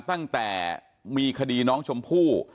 ตั้งแต่มีคดีน้องชมพู่